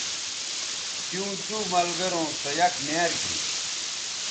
تیوں دو ملگروں سو یک میار گی